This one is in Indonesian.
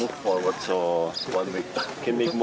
mudah untuk mencapai jalan menuju